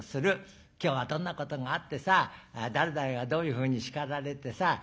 「今日はどんなことがあってさ誰々がどういうふうに叱られてさ